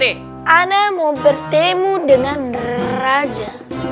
ana mau bertemu dengan raja